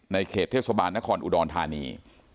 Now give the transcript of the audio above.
เขตเทศบาลนครอุดรธานี